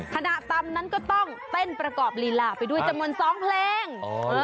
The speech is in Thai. ถนนั้นก็ต้องเต้นประกอบลีลาไปด้วยจมนต์สองเพลง